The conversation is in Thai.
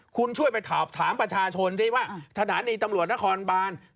คุณช่วยไปถามประชาชนสิว่าสถานีตำรวจนครบาน